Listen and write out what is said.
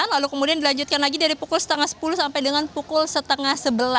lalu kemudian dilanjutkan lagi dari pukul setengah sepuluh sampai dengan pukul setengah sebelas